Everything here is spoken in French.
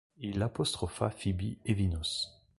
Il apostropha Fibi et Vinos.